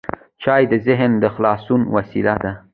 چای د ذهن د خلاصون وسیله ده.